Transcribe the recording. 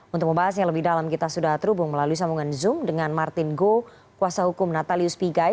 untuk membahasnya lebih dalam kita sudah terhubung melalui sambungan zoom dengan martin go kuasa hukum natalius pigai